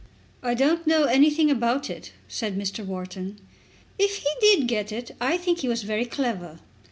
"I don't know anything about it," said Mr. Wharton. "If he did get it I think he was very clever."